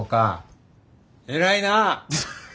偉いな！